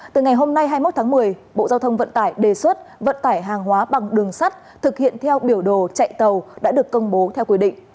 từ ngày hôm nay hai mươi một tháng một mươi bộ giao thông vận tải đề xuất vận tải hàng hóa bằng đường sắt thực hiện theo biểu đồ chạy tàu đã được công bố theo quy định